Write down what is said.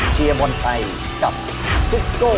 เชียร์บอลไทยกับซิโก้